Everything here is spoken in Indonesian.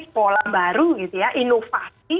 pola baru gitu ya inovasi